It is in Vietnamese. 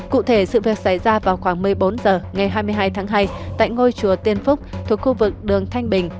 cụ thể sự việc xảy ra vào khoảng một mươi bốn h ngày hai mươi hai tháng hai tại ngôi chùa tiên phúc thuộc khu vực đường thanh bình